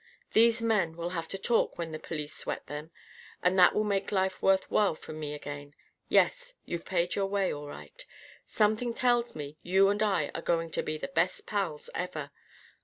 These men will have to talk when the police sweat them. And that will make life worth while for me again. Yes, you've paid your way, all right! Something tells me you and I are going to be the best pals ever.